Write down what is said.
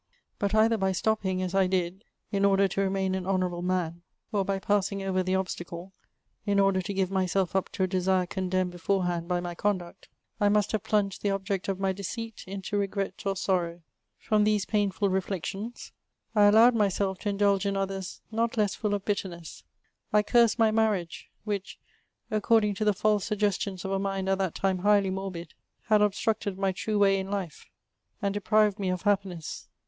But either by stopping, as I did, in order to remain an honourable man, or by passing over the obstacle, in order to give myself up to a desire condemned beforehand by my conduct, I must have plunged the object of my deceit into regret or sorrow. 392 HEMOIBS OF From these p«iiifal refieciions I allowed mjielf to indtilM in othen not less full of Inttemess ; I coned my manmge, which, according to the false suggestiong of a mind at that time highly morbid, had obstructed m j true way in life, and depiiTed me of happiness.